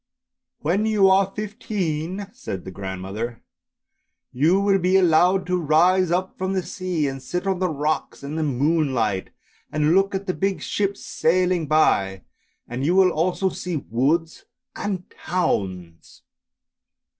" When you are fifteen," said the grandmother, " you will be allowed to rise up from the sea and sit on the rocks in the moonlight, and look at the big ships sailing by, and you will also see woods and towns."